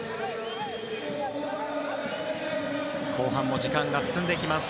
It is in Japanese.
後半も時間が進んでいきます。